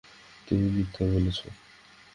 তুমি মিথ্যে বলেছ।